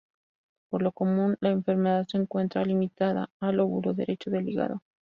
Por lo común la enfermedad se encuentra limitada al lóbulo derecho del hígado.